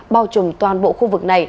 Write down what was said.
bao trùm toàn bộ khu vực